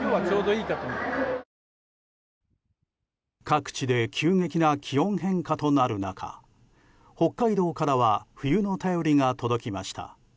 各地で急激な気温変化となる中北海道からは冬の便りが届きました。